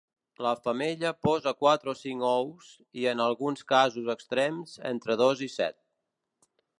La femella posa quatre o cinc ous, i en alguns casos extrems entre dos i set.